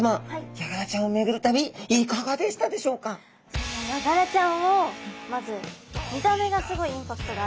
ヤガラちゃんをまず見た目がすごいインパクトがあるじゃないですか。